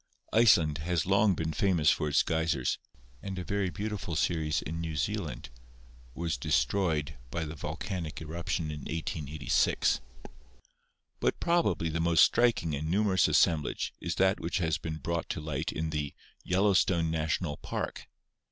Iceland has long been famous for its geysers, and a very beautiful series in New Zealand was destroyed by the vol canic eruption in 1886. But probably the most striking and numerous assemblage is that which has been brought to light in the "Yellowstone National Park."